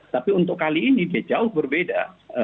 tapi untuk kali ini dia jauh berbeda